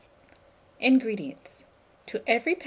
INGREDIENTS. To every lb.